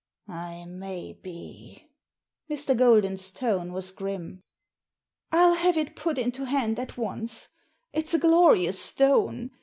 " I may be." Mr. Golden's tone was grim. " I'll have it put into hand at once. It's a glorious stone.